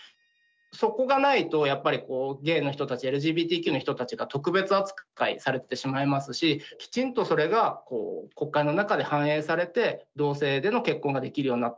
そこがないとやっぱりゲイの人たちＬＧＢＴＱの人たちが特別扱いされてしまいますしきちんとそれが国会の中で反映されて同性での結婚ができるようになった。